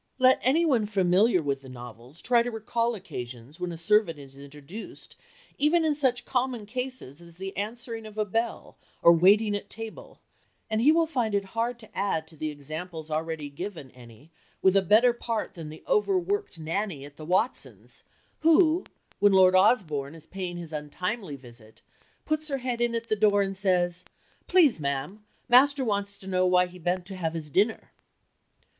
Let any one familiar with the novels try to recall occasions when a servant is introduced even in such common cases as the answering of a bell or waiting at table, and he will find it hard to add to the examples already given any with a better part than the overworked Nanny at the Watsons', who, when Lord Osborne is paying his untimely visit, puts her head in at the door and says, "Please, ma'am, master wants to know why he be'nt to have his dinner."